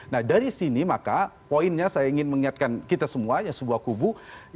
nah dari sini maka poinnya saya ingin mengingatkan kita semua ya sebuah kubu